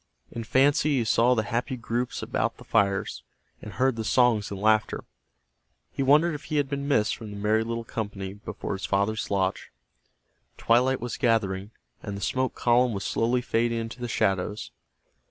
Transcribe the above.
In fancy he saw the happy groups about the fires, and heard the songs and laughter. He wondered if he had been missed from the merry little company before his father's lodge. Twilight was gathering, and the smoke column was slowly fading into the shadows.